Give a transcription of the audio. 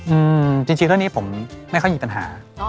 อืมจริงตอนนี้ผมไม่ค่อยมีปัญหา